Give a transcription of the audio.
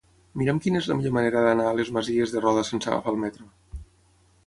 Mira'm quina és la millor manera d'anar a les Masies de Roda sense agafar el metro.